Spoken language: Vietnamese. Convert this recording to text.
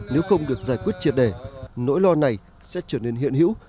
nếu không được giải quyết triệt đề nỗi lo này sẽ trở nên hiện hữu